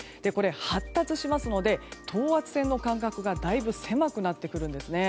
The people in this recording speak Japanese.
発達しますので、等圧線の間隔がだいぶ狭くなってくるんですね。